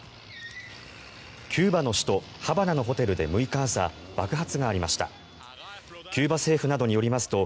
キューバの首都ハバナのホテルで６日朝、爆発がありました。